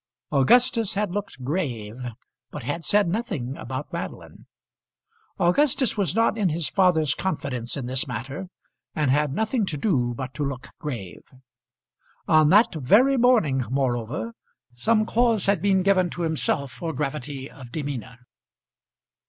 Augustus had looked grave, but had said nothing about Madeline. Augustus was not in his father's confidence in this matter, and had nothing to do but to look grave. On that very morning, moreover, some cause had been given to himself for gravity of demeanour.